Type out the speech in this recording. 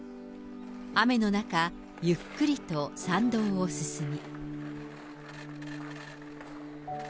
雨の中、ゆっくりと参道を進み。